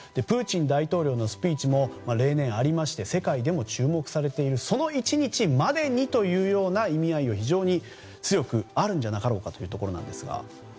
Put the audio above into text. プーチン大統領のスピーチも例年ありまして世界でも注目されているその１日までにという意味合いが非常に強くあるんじゃなかろうかというところですが。